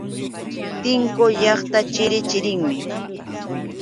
Tinku llaqta chiri chirimi.